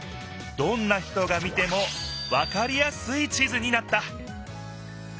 どんな人が見てもわかりやすい地図になった！